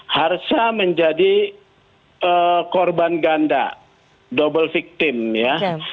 harsa menjadi korban ganda double victim ya